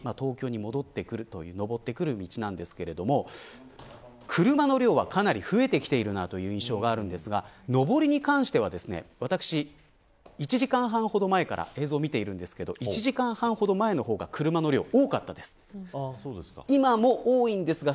ご覧のように右側が上り東京に戻ってくる上ってくる道なんですけど車の量はかなり増えてきているなという印象があるんですが上りに関してはですね、私１時間半ほど前から映像見てるんですけど１時間ほど前の方が車の量が多かったです。